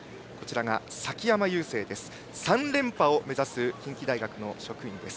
崎山優成は３連覇を目指す近畿大学職員です。